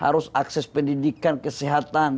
harus akses pendidikan kesehatan